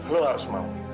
lu harus mau